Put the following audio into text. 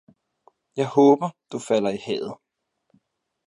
Jeg håber, du falder i havet!